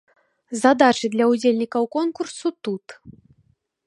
Задачы для ўдзельнікаў конкурсу тут.